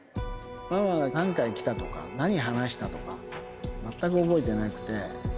ママが何回来たとか、何話したとか、全く覚えてなくて。